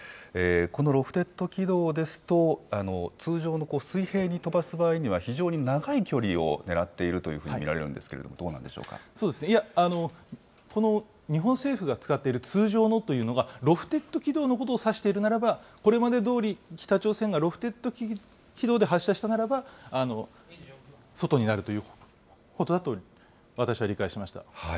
このロフテッド軌道ですと、通常の水平に飛ばす場合には、非常に長い距離をねらっているというふうに見られると、どうなんそうですね、いや、この日本政府が使っている通常のというのが、ロフテッド軌道のことを指しているならば、これまでどおり、北朝鮮がロフテッド軌道で発射したならば外になるということだと私は理解しました。